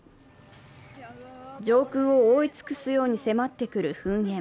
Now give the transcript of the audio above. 上空を覆い尽くすように迫ってくる噴煙。